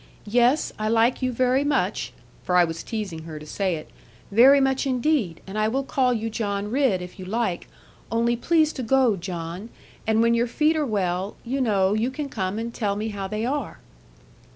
Yes, I like you very much' for I was teasing her to say it 'very much indeed, and I will call you John Ridd, if you like; only please to go, John. And when your feet are well, you know, you can come and tell me how they are.'